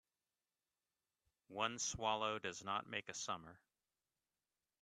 One swallow does not make a summer